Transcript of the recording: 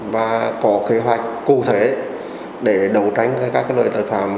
và có kế hoạch cụ thể để đầu tránh các loại tội phạm